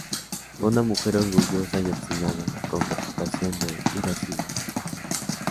Fue una mujer orgullosa y obstinada, con reputación de irascible.